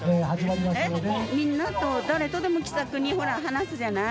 みんなと誰とでも気さくに話すじゃない？